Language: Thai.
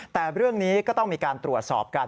แต่เรื่องนี้ก็ต้องมีการตรวจสอบกัน